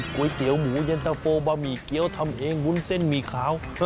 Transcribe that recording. ก๋วยเตี๋ยวหมูเย็นตะโฟบะหมี่เกี้ยวทำเองวุ้นเส้นหมี่ขาว